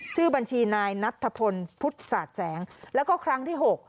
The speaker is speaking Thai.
ชื่อบัญชีนายนัทธพลพุทธศาสตร์แสงแล้วก็ครั้งที่๖